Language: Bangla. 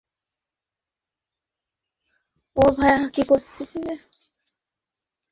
হাসপাতালে কর্মরত থেকে তিনি ক্লিনিক দুটিতে রোগীদের বিভিন্ন রোগের অস্ত্রোপচার করতে থাকেন।